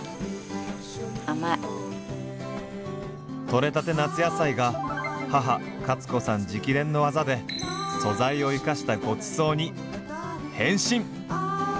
取れたて夏野菜が母カツ子さん直伝のワザで素材を生かしたごちそうに変身！